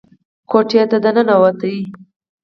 کوټې ته ننوت.